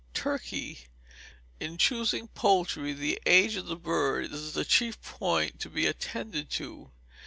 Turkey. In choosing poultry, the age of the bird is the chief point to be attended to.